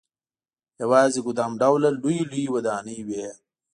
یوازې ګدام ډوله لويې لويې ودانۍ وې.